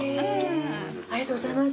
ありがとうございます。